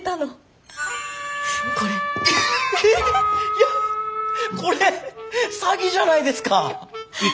いやこれ詐欺じゃないですか。